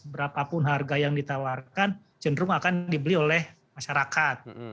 berapapun harga yang ditawarkan cenderung akan dibeli oleh masyarakat